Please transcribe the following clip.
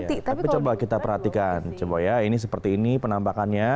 tapi coba kita perhatikan coba ya ini seperti ini penambakannya